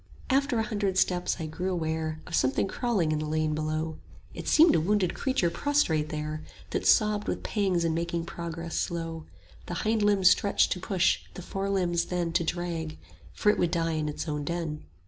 After a hundred steps I grew aware Of something crawling in the lane below; It seemed a wounded creature prostrate there 15 That sobbed with pangs in making progress slow, The hind limbs stretched to push, the fore limbs then To drag; for it would die in its own den.